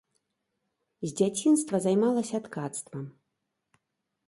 З дзяцінства займалася ткацтвам.